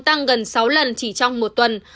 tăng gần sáu lần chỉ trong một tuần